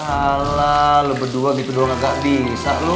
alah lo berdua begitu doang gak bisa lo